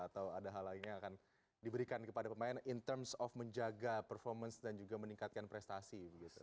atau ada hal lainnya yang akan diberikan kepada pemain in terms of menjaga performance dan juga meningkatkan prestasi